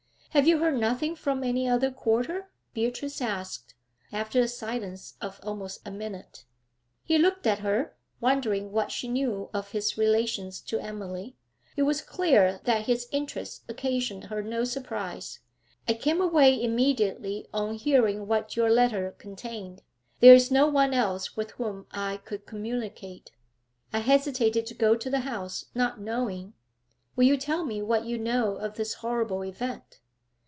'Have you heard nothing from any other quarter?' Beatrice asked, after a silence of almost a minute. He looked at her, wondering what she knew of his relations to Emily. It was clear that his interest occasioned her no surprise. 'I came away immediately on hearing what your letter contained. There is no one else with whom I could communicate. I hesitated to go to the house, not knowing Will you tell me what you know of this horrible event?'